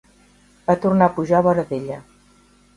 Va tornar a pujar a vora d'ella.